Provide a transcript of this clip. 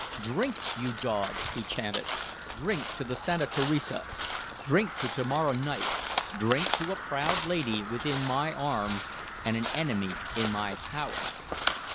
"Drink, you dogs!" he chanted. "Drink to the Santa Teresa! Drink to to morrow night! Drink to a proud lady within my arms and an enemy in my power!"